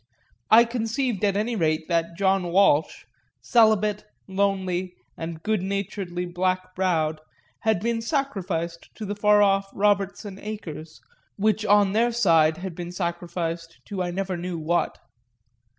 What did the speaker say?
I conceived at any rate that John Walsh, celibate, lonely and good naturedly black browed, had been sacrificed to the far off Robertson acres, which on their side had been sacrificed to I never knew what.